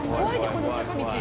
この坂道。